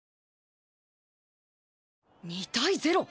２対０⁉